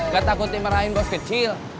gak takut nyerahin bos kecil